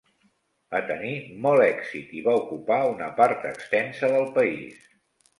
Va tenir molt èxit i va ocupar una part extensa del país.